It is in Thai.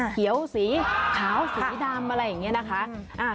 เขียวสีขาวสีดำอะไรอย่างนี้นะคะ